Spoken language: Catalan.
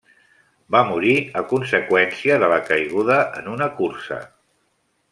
Va morir a conseqüència de la caiguda en una cursa.